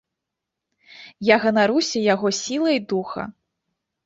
Я ганаруся яго сілай духа.